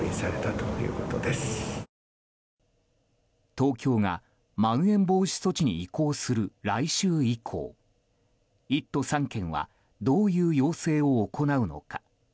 東京がまん延防止措置に移行する来週以降１都３県はどういう要請を行うのか。